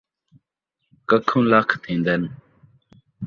ککھوں لکھ تھین٘دن